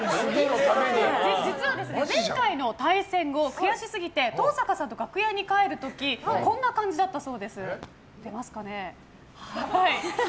実は前回の対戦後、悔しすぎて登坂さんと楽屋に帰る時こんな感じだったそうです。